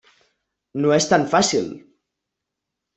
No és tan fàcil.